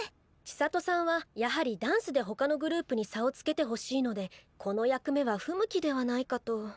千砂都さんはやはりダンスで他のグループに差をつけてほしいのでこの役目は不向きではないかと。